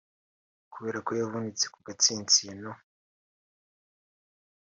Kubera ko yavunitse ku gatsintsino